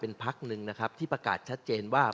พักหนึ่งนะครับที่ประกาศชัดเจนว่า